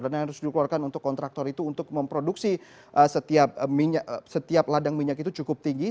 dana yang harus dikeluarkan untuk kontraktor itu untuk memproduksi setiap ladang minyak itu cukup tinggi